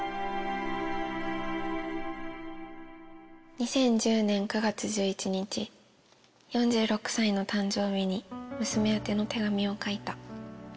２０１０年９月１１日、４６歳の誕生日に娘宛ての手紙を書いた。